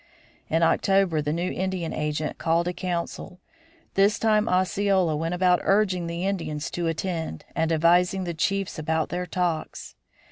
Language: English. In October the new Indian agent called a council. This time Osceola went about urging the Indians to attend and advising the chiefs about their talks.